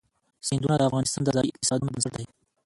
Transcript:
سیندونه د افغانستان د ځایي اقتصادونو بنسټ دی.